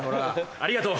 ありがとう！